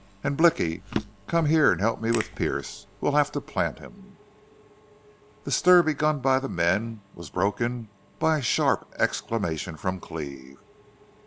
"An', Blicky, come here an' help me with Pearce. We'll have to plant him." The stir begun by the men was broken by a sharp exclamation from Cleve.